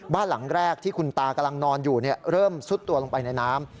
บ้านหลังแรกที่คุณตากำลังนอนอยู่เริ่มซุดตัวลงไปในน้ำ